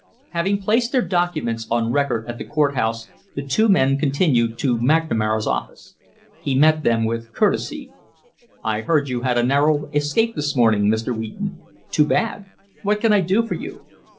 Having placed their documents on record at the court house, the two men continued to McNamara's office. He met them with courtesy. "I heard you had a narrow escape this morning, Mr. Wheaton. Too bad! What can I do for you?"